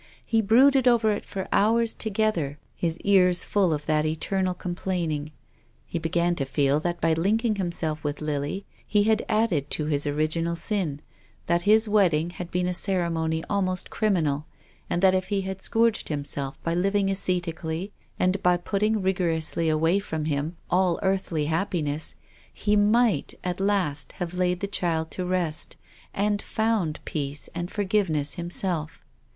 He brooded over it for hours together, his ears full of that eternal complaining. He began to feel that by linking himself with Lily he had added to his original sin, that his wedding had been a ceremony almost criminal, and that if he had scourged himself by living ascetically, and by putting rigorously away from him all earthly hap piness, he might at last have laid the child to rest and found peace and forgiveness himself.